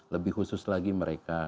lebih khusus lagi mereka